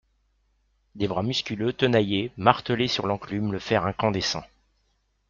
Des bras musculeux tenaillaient, martelaient sur l'enclume le fer incandescent.